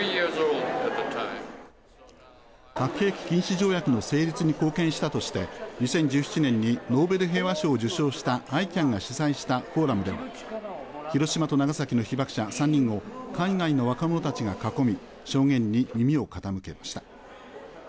核兵器禁止条約の成立に貢献したとして２０１７年にノーベル平和賞を受賞したＩＣＡＮが主催したフォーラムで広島と長崎の被爆者３人の海外の若者たちが囲み証言に耳を傾けました